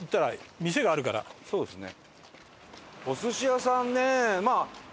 そうですね。